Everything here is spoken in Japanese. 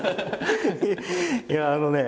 いやあのね